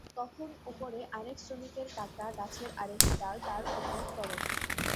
তখন ওপরে আরেক শ্রমিকের কাটা গাছের আরেকটি ডাল তাঁর ওপর পড়ে।